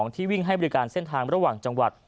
ที่วิ่งให้บริการเส้นทางระหว่างจังหวัด